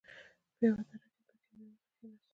په يوه دره کښې په کمين ورته کښېناستو.